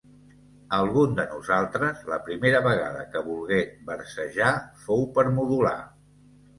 Algun de nosaltres, la primera vegada que volgué versejar, fou per modular.